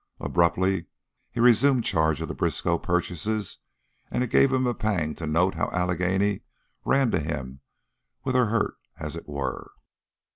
Abruptly he resumed charge of the Briskow purchases, and it gave him a pang to note how Allegheny ran to him with her hurt, as it were.